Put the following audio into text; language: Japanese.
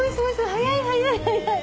早い早い早い。